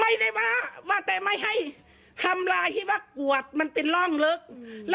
ไม่ได้ว่าแต่ไม่ให้ทำร้ายที่ว่ากวดมันเป็นร่องลึก